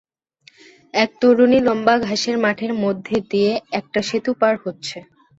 এক তরুণী লম্বা ঘাসের মাঠের মধ্যে দিয়ে একটা সেতু পার হচ্ছে।